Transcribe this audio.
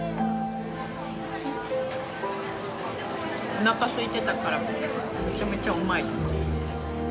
おなかすいてたからめちゃめちゃうまい。